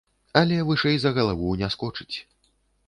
Але вышэй за галаву не скочыць.